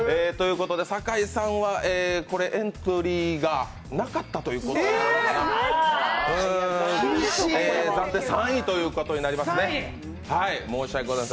酒井さんはエントリーがなかったということで暫定３位ということになりますね、申し訳ございません。